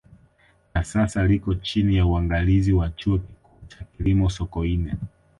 Na sasa liko chini ya uangalizi wa Chuo Kikuu cha Kilimo Sokoine